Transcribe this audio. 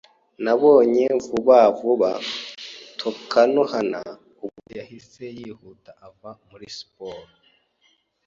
Nabonye vuba vuba Takanohana ubwo yahise yihuta ava muri siporo.